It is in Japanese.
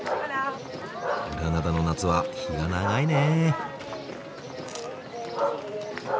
グラナダの夏は日が長いね。